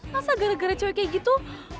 masa gara gara cewek kayak gitu